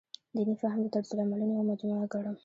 دیني فهم د طرزالعملونو یوه مجموعه ګڼم.